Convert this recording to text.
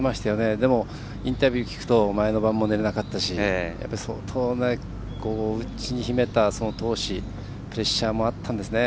でもインタビューを聞いていると前の晩も寝られなかったし相当、内に秘めた闘志プレッシャーもあったんですね。